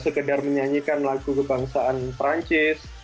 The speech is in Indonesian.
sekedar menyanyikan lagu kebangsaan perancis